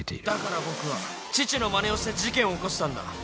「だから僕は父のまねをして事件を起こしたんだ」